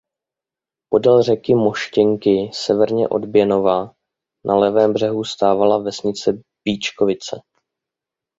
Podél řeky Moštěnky severně od Beňova na levém břehu stávala vesnice Býčkovice.